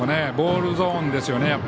ボールゾーンですよね。